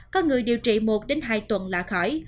có người điều trị một đến hai tuần là khỏi